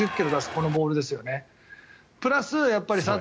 このボールですよね。